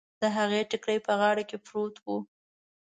د هغې ټکری په غاړه کې پروت و.